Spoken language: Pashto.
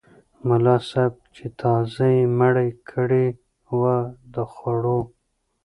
ملا صاحب چې تازه یې مړۍ کړې وه د خوړو.